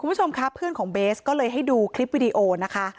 คุณผู้ชมค่ะเพื่อนของเบสก็เลยให้ดูคลิปวิดีโอนะคะ